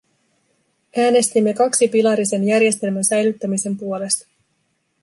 Äänestimme kaksipilarisen järjestelmän säilyttämisen puolesta.